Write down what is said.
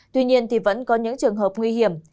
tuy nhiên thì vẫn có những trường hợp nguy hiểm